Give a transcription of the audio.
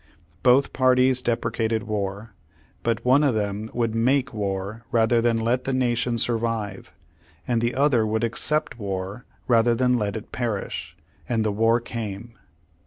Both parties deprecated war; but one of them would make war rather than let the nation survive; and the other would accept war rather than let it perish — and the v/ar came.